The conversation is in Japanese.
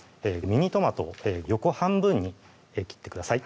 ミニトマトを横半分に切ってください